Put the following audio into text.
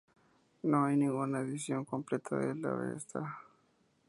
No hay ninguna edición completa del "Avesta".